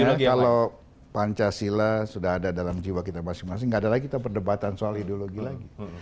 ya kalau pancasila sudah ada dalam jiwa kita masing masing nggak ada lagi kita perdebatan soal ideologi lagi